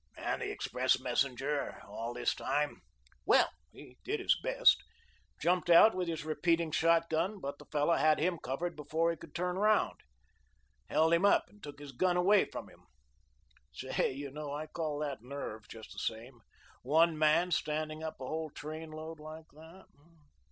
"And the express messenger, all this time?" "Well, he did his best. Jumped out with his repeating shot gun, but the fellow had him covered before he could turn round. Held him up and took his gun away from him. Say, you know I call that nerve, just the same. One man standing up a whole train load, like that.